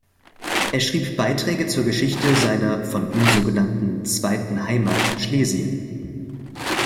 Er schrieb Beiträge zur Geschichte seiner von ihm so genannten „zweiten Heimat“ Schlesien.